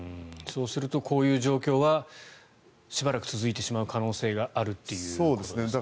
そうするとこういう状況はしばらく続いてしまう可能性があるということですね。